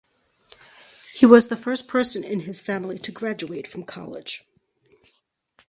He was the first person in his family to graduate from college.